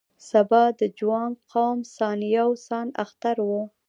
سبا د جوانګ قوم سان یو سان اختر و.